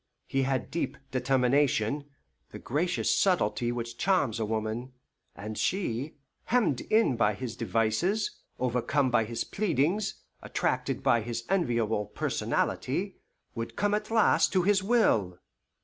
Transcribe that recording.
He had deep determination, the gracious subtlety which charms a woman, and she, hemmed in by his devices, overcome by his pleadings, attracted by his enviable personality, would come at last to his will.